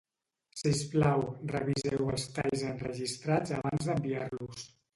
Sisplau, reviseu els talls enregistrats abans d'enviar-los